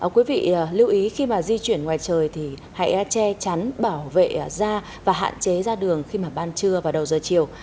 quý vị lưu ý khi mà di chuyển ngoài trời thì hãy che chắn bảo vệ da và hạn chế ra đường khi mà ban trưa và đầu giờ chiều